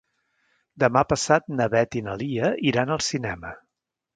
Demà passat na Beth i na Lia iran al cinema.